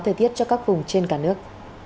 thời tiết cho các vùng trên cả nước